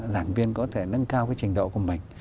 giảng viên có thể nâng cao cái trình độ của mình